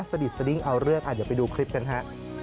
สนิทสดิ้งเอาเรื่องเดี๋ยวไปดูคลิปกันฮะ